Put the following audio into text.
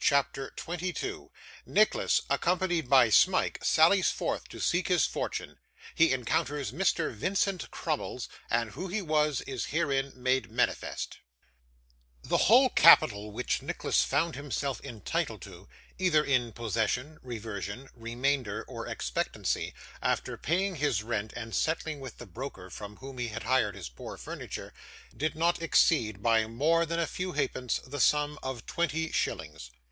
CHAPTER 22 Nicholas, accompanied by Smike, sallies forth to seek his Fortune. He encounters Mr. Vincent Crummles; and who he was, is herein made manifest The whole capital which Nicholas found himself entitled to, either in possession, reversion, remainder, or expectancy, after paying his rent and settling with the broker from whom he had hired his poor furniture, did not exceed, by more than a few halfpence, the sum of twenty shillings.